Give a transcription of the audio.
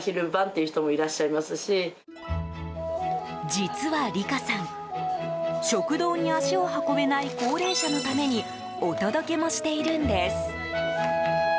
実は理佳さん、食堂に足を運べない高齢者のためにお届けもしているんです。